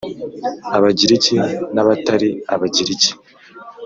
Abagiriki n’abatari Abagiriki